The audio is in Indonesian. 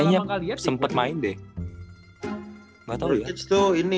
iya dan sebelumnya sebelumnya ya udah jadi bintang sih di porto kan